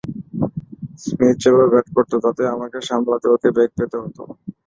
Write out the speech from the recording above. Smith যেভাবে bat করত, তাতে আমাকে সামলাতে ওকে বেগ পেতে হতো।